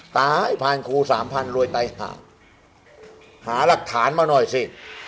ตายพันครูสามพันรวยไตหาหลักฐานมาหน่อยสิ